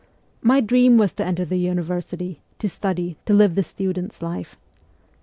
My dream was to enter the university to study, to live the student's life.